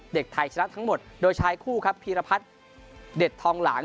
เด็กไทยชนะทั้งหมดโดยชายคู่ครับพีรพัฒน์เด็ดทองหลาง